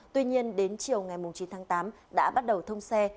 tuy nhiên đến chiều ngày chín tháng tám đã bắt đầu thông xe